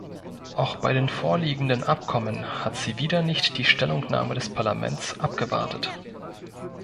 Auch bei den vorliegenden Abkommen hat sie wieder nicht die Stellungnahme des Parlaments abgewartet.